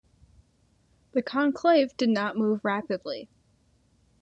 The conclave did not move rapidly.